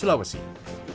jawa kalimantan dan sulawesi